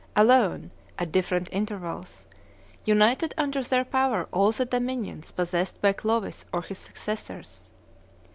alone, at different intervals, united under their power all the dominions possessed by Clovis or his successors.